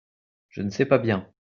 je ne sais pas bien.